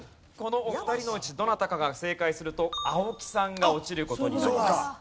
このお二人のうちどなたかが正解すると青木さんが落ちる事になります。